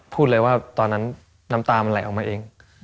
พูดเลยว่าตอนนั้นน้ำตามันไหลออกมาเอง